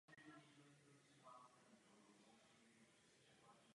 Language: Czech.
Přežilo pouze pět manželských párů.